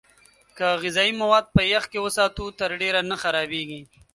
که غذايي مواد په يخ کې وساتو، تر ډېره نه خرابېږي.